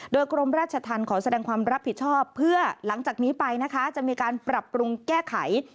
โดยกรมราชธรรมขอแสดงความรับผิดชอบเพื่อหลังจากนี้ไปนะคะจะมีการปรับปรุงแก้ไข